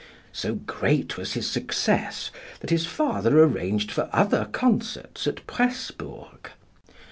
So great was his success that his father arranged for other concerts at Pressburg.